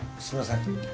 すみません。